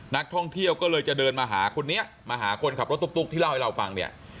นักท่องเที่ยวก็เลยจะเดินมาหาคนนี้มาหาคนขับรถตุ๊กที่เล่าให้เราฟังเนี่ย